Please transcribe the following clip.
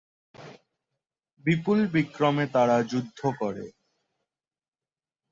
বিপুল বিক্রমে তারা যুদ্ধ করেন।